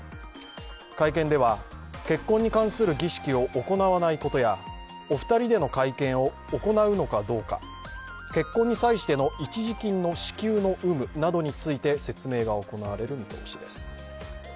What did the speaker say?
会見では、結婚に関する儀式を行わないことやお二人での会見を行うのかどうか、結婚に際しての、一時金の支給の有無など説明が行われる見通しです。